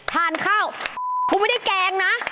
ทานข้าวกูไม่ได้แกงนะ